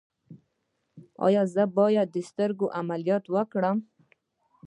ایا زه باید د سترګو عملیات وکړم؟